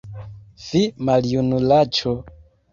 Fi, maljunulaĉo!